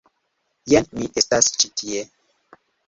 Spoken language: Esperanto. Jes, mi estas ĉi tie